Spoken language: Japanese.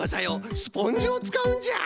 スポンジをつかうんじゃ。